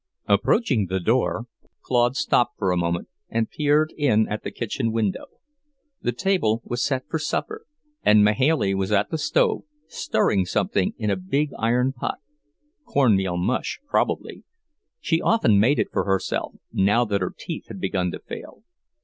Approaching the door, Claude stopped a moment and peered in at the kitchen window. The table was set for supper, and Mahailey was at the stove, stirring something in a big iron pot; cornmeal mush, probably, she often made it for herself now that her teeth had begun to fail.